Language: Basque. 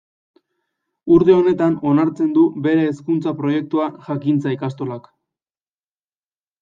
Urte honetan onartzen du bere Hezkuntza proiektua Jakintza ikastolak.